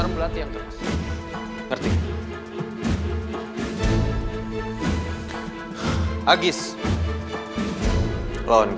yang lainnya sekarang